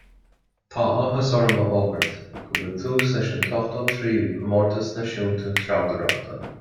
Tá áthas orm a fhógairt go bhfuil tús leis an t-ochtó tríú Comórtas Náisiúnta Treabhdóireachta!